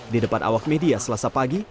di depan awak media selasa pagi